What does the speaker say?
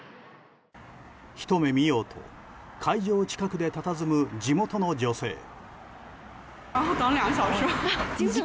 ひと目見ようと会場近くでたたずむ地元の女性。